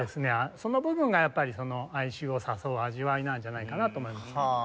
その部分がやっぱり哀愁を誘う味わいなんじゃないかなと思いますね。